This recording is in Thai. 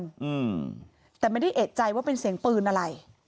อืมแต่ไม่ได้เอกใจว่าเป็นเสียงปืนอะไร